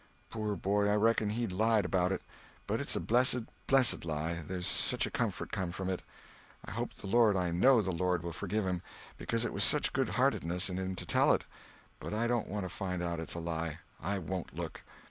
Poor boy, I reckon he's lied about it—but it's a blessed, blessed lie, there's such a comfort come from it. I hope the Lord—I know the Lord will forgive him, because it was such good heartedness in him to tell it. But I don't want to find out it's a lie. I won't look."